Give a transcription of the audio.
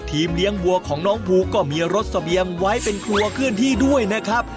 เลี้ยงวัวของน้องภูก็มีรถเสบียงไว้เป็นครัวเคลื่อนที่ด้วยนะครับ